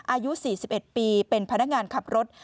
อายุ๔๑ปีเป็นพนักงานขับรถ